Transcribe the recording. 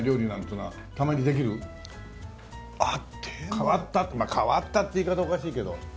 変わった変わったって言い方はおかしいけど。